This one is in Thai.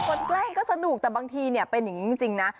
แกล้งก็สนุกแต่บางทีเนี่ยเป็นอย่างนี้จริงนะ